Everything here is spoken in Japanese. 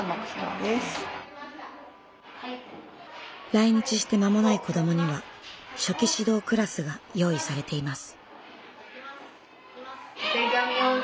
来日して間もない子どもには初期指導クラスが用意されています。